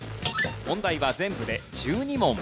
問題は全部で１２問。